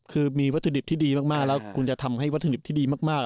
คือมีวัตถุดิบที่ดีมากแล้วคุณจะทำให้วัตถุดิบที่ดีมาก